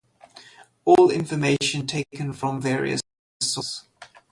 All information taken from various sources.